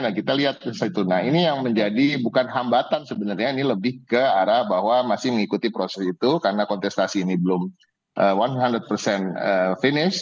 nah kita lihat ini yang menjadi bukan hambatan sebenarnya ini lebih ke arah bahwa masih mengikuti proses itu karena kontestasi ini belum one under persent finish